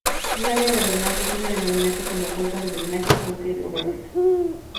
Una área de drenaje suele denominarse como cuenca de drenaje o cuenca hidrográfica.